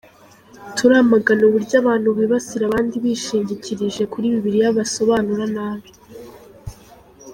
Turamagana uburyo abantu bibasira abandi bishingikirije kuri Bibiliya basobanura nabi.